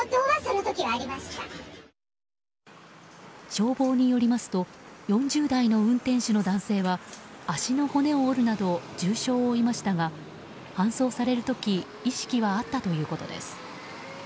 消防によりますと４０代の運転手の男性は足の骨を折るなど重傷を負いましたが搬送される時意識はあったということです。